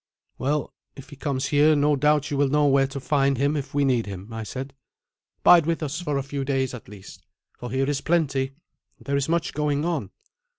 "Well, if he comes here, no doubt you will know where to find him if we need him," I said. "Bide with us for a few days at least, for here is plenty, and there is much going on."